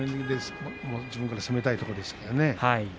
自分から攻めたいところですよね。